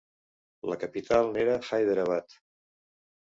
La capital n'era Hyderabad.